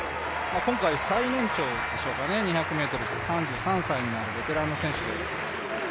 今回最年長でしょうかね、２００ｍで、３３歳になるベテランの選手です。